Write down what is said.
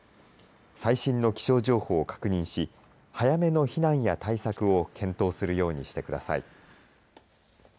最新の気象情報を確認し早めの避難や対策を検討するようにしてください。